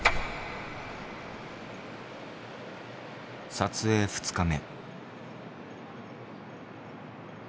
撮影２日目。